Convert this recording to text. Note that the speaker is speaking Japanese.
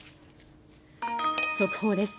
速報です。